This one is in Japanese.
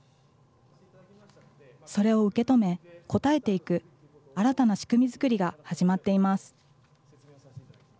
それを受け止め、応えていく新たな仕組み作りが始まっています。